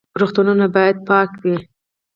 روغتونونه باید پاک وي